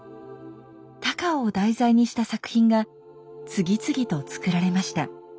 高尾を題材にした作品が次々と作られました。